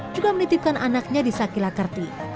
juga menitipkan anaknya di sakila kerti